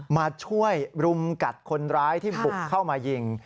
มาช่วยรุมกัดคนร้ายที่บุกเข้ามายิง